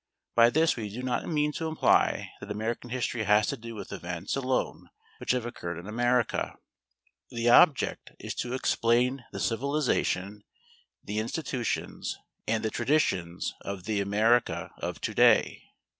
By this we do not mean to imply that American history has to do with events, alone, which have occurred in America. The object is to explain the civilization, the institutions, and the traditions of the America of to day.